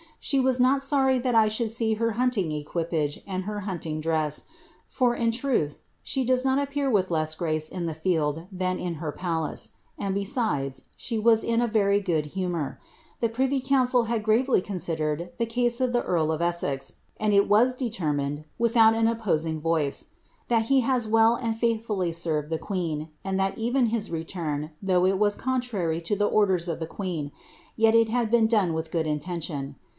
She was not sorry that I ihould see her hunting equipage and her hunting dress, for in truth she loes not appear with less grace in the field than in her palace, and, be rides, she was in a very good humour The privy council have lively considered the case of the earl of Essex, and it was determined, vithout an opposing voice, '^ that he has well and faithfully served ^the pieen), and that even his return, although it was contrary to the oraers if the queen, yet it had been done with a good intention.